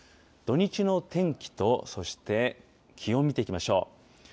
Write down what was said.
土日の天気と、そして気温を見ていきましょう。